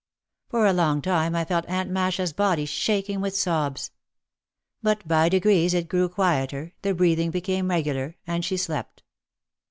For a long time I felt Aunt Masha's body shaking with sobs. But by degrees it grew quieter, the breathing became regular, and she slept.